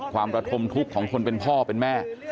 ความประทมทุกข์ของคนเป็นพ่อเป็นแม่